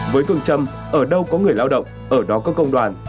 với phương châm ở đâu có người lao động ở đó có công đoàn